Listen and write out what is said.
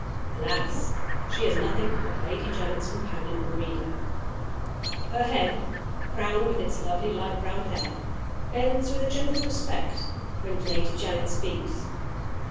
Alas! she is nothing but Lady Janet's companion and reader. Her head, crowned with its lovely light brown hair, bends with a gentle respect when Lady Janet speaks.